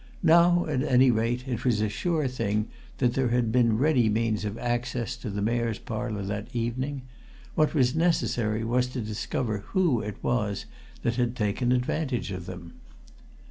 Now, at any rate, it was a sure thing that there had been ready means of access to the Mayor's Parlour that evening; what was necessary was to discover who it was that had taken advantage of them.